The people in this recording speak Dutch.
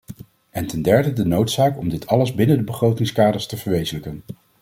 En ten derde de noodzaak om dit alles binnen de begrotingskaders te verwezenlijken.